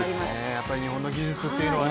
やはり日本の技術というのはね。